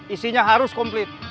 isinya harus komplit